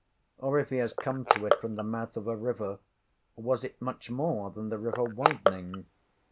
Or if he has come to it from the mouth of a river, was it much more than the river widening?